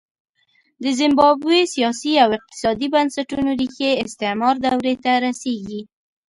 د زیمبابوې سیاسي او اقتصادي بنسټونو ریښې استعمار دورې ته رسېږي.